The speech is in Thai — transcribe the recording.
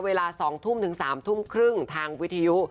เวลา๒ทุ่มถึง๓ทุ่มครึ่งทางวิทยุ